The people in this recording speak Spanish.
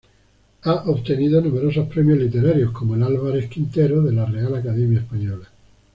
Ha obtenido numerosos premios literarios, como el Álvarez Quintero, de la Real Academia Española.